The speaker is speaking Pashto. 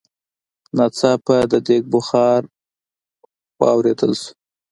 ناڅاپه د ديګ بخار واورېدل شو.